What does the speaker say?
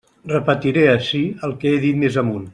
Repetiré ací el que he dit més amunt.